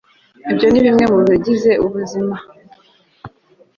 ibyo ni bimwe mu bigize ubuzima